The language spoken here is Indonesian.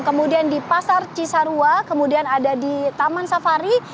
kemudian di pasar cisarua kemudian ada di taman safari